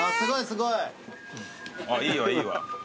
あっいいわいいわ。